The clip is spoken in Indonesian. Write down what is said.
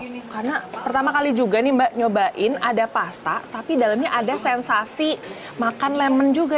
karena pertama kali juga nih mbak nyobain ada pasta tapi dalamnya ada sensasi makan lemon juga